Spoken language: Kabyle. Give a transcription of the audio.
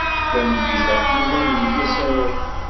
Tameddit-a, Yuba ad d-yeg asarag.